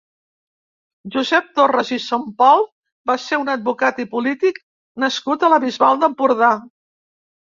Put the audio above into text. Josep Torras i Sampol va ser un advocat i polític nascut a la Bisbal d'Empordà.